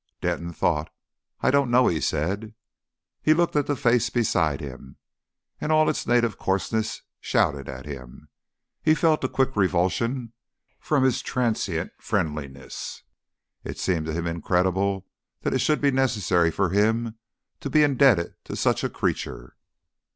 Denton thought. "I don't know," he said. He looked at the face beside him, and all its native coarseness shouted at him. He felt a quick revulsion from his transient friendliness. It seemed to him incredible that it should be necessary for him to be indebted to such a creature.